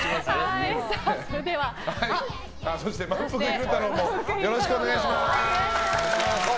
そしてまんぷく昼太郎もよろしくお願いします。